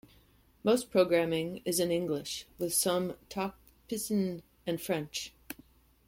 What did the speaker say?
Most programming is in English, with some in Tok Pisin and French.